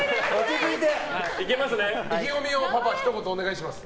意気込みをひと言お願いします。